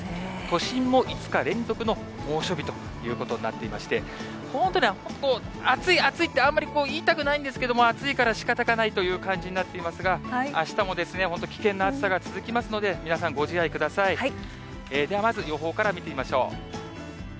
都心も５日連続の猛暑日ということになっていまして、本当に暑い暑いってあんまり言いたくないんですけども、暑いからしかたがないという感じになっていますが、あしたも本当に危険な暑さが続きますので、皆さん、ご自愛ください。ではまず予報から見てみましょう。